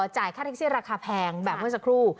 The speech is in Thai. จ่ายค่าแท็กซี่ราคาแพงแบบเมื่อสักครู่